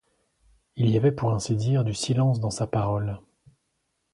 Il y avait, pour ainsi dire, du silence dans sa parole.